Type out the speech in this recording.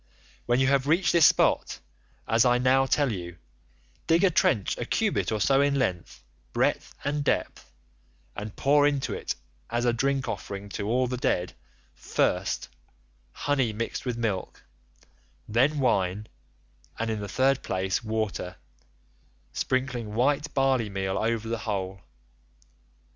"'When you have reached this spot, as I now tell you, dig a trench a cubit or so in length, breadth, and depth, and pour into it as a drink offering to all the dead, first, honey mixed with milk, then wine, and in the third place water—sprinkling white barley meal over the whole.